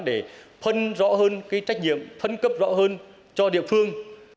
để phân rõ hơn cái trách nhiệm phân cấp rõ hơn cho địa phương